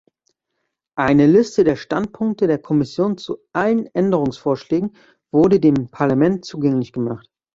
Eine Liste der Standpunkte der Kommission zu allen Änderungsvorschlägen wurde dem Parlament zugänglich gemacht.